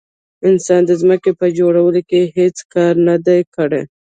انسان د ځمکې په جوړولو کې هیڅ کار نه دی کړی.